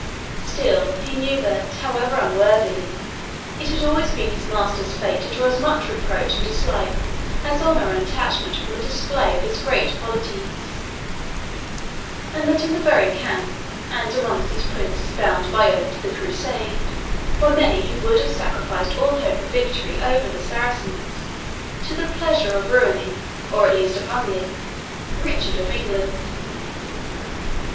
Still, he knew that, however unworthily, it had been always his master's fate to draw as much reproach and dislike as honour and attachment from the display of his great qualities; and that in the very camp, and amongst those princes bound by oath to the Crusade, were many who would have sacrificed all hope of victory over the Saracens to the pleasure of ruining, or at least of humbling, Richard of England.